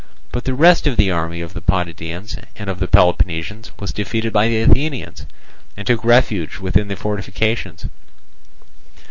But the rest of the army of the Potidæans and of the Peloponnesians was defeated by the Athenians, and took refuge within the fortifications.